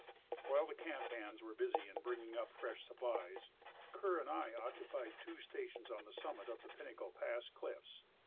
While the camp hands were busy in bringing up fresh supplies, Kerr and I occupied two stations on the summit of the Pinnacle pass cliffs.